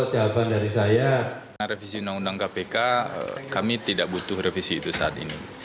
dengan revisi undang undang kpk kami tidak butuh revisi itu saat ini